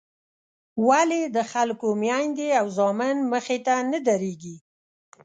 ولې د خلکو میندې او زامن مخې ته نه درېږي.